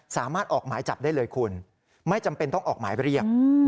สามารถออกหมายจับได้เลยคุณไม่จำเป็นต้องออกหมายเรียก